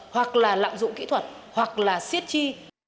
hoặc là lạm dụng kỹ thuật hoặc là siết chi